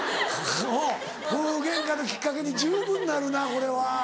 夫婦ゲンカのきっかけに十分なるなこれは。